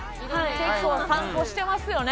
結構散歩してますよね。